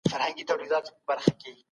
په ناسته او ولاړه کې با ادبه اوسئ.